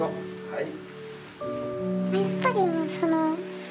はい。